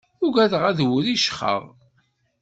Ugadeɣ ad wriccxeɣ.